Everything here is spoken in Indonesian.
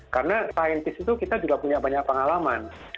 karena saintis itu kita juga punya banyak pengalaman